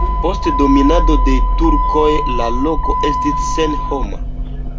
Post dominado de turkoj la loko estis senhoma.